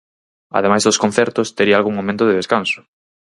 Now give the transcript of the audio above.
Ademais dos concertos, tería algún momento de descanso.